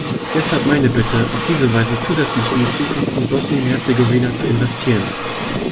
Deshalb meine Bitte, auf diese Weise zusätzlich in die Zukunft von Bosnien-Herzegowina zu investieren!